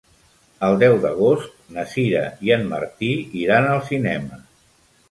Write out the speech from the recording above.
El deu d'agost na Sira i en Martí iran al cinema.